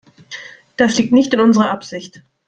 Das liegt nicht in unserer Absicht.